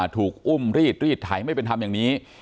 ถูกอุ้มรีดรีดไถไม่เป็นทำอย่างนี้